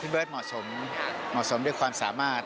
เบิร์ตเหมาะสมเหมาะสมด้วยความสามารถ